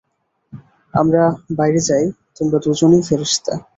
আমরা বাইরে যাই তোমরা দুজনেই ফেরেশতা।